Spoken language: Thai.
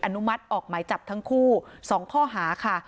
อนุมัติออกหมายจับทั้งคู่๒ข้อหาค่ะ